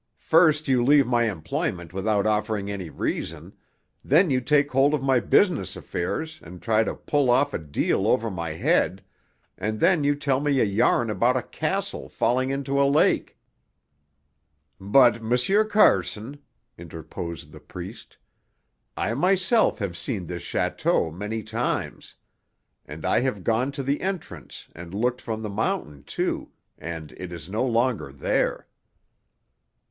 First you leave my employment without offering any reason; then you take hold of my business affairs and try to pull off a deal over my head, and then you tell me a yarn about a castle falling into a lake." "But, M. Carson," interposed the priest, "I myself have seen this château many times. And I have gone to the entrance and looked from the mountain, too, and it is no longer there."